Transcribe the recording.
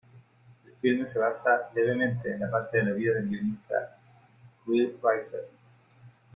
El filme se basa levemente en parte de la vida del guionista Will Reiser.